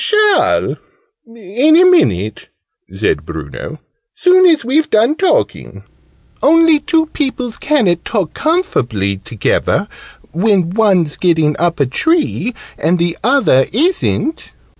"Shall, in a minute," said Bruno: "soon as we've done talking. Only two peoples ca'n't talk comfably togevver, when one's getting up a tree, and the other isn't!"